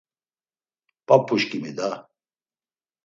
P̌ap̌uşǩimin da!